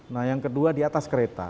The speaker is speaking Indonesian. nah yang kedua di atas kereta